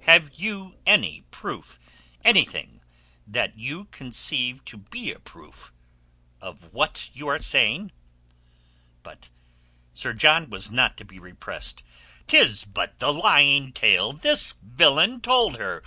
Have you any proof—anything that you conceive to be a proof—of what you are saying?" But Sir John was not to be repressed. "'Tis but the lying tale this villain told her.